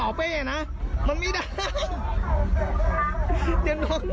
อ้าวโหอะไรเนี่ย